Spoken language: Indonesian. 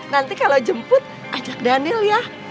nanti kalau jemput ajak daniel ya